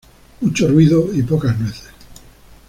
Mucho ruido y pocas nueces